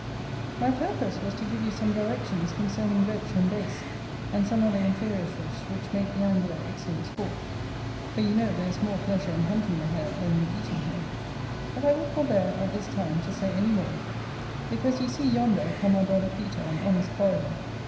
My purpose was to give you some directions concerning ROACH and DACE, and some other inferior fish which make the angler excellent sport; for you know there is more pleasure in hunting the hare than in eating her: but I will forbear, at this time, to say any more, because you see yonder come our brother Peter and honest Coridon.